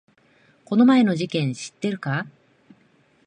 この前の事件知ってるか？